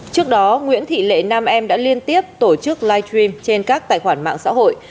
trước đó nguyễn thị lệ nam em đã liên tiếp tổ chức live stream trên các tài khoản mạng xã hội